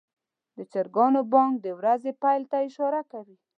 د چرګانو بانګ د ورځې پیل ته اشاره کوي.